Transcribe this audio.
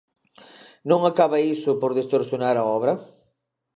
Non acaba iso por distorsionar a obra?